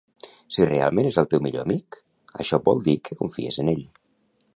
Si realment és el teu millor amic, això vol dir que confies en ell.